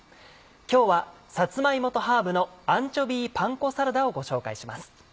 今日は「さつま芋とハーブのアンチョビーパン粉サラダ」をご紹介します。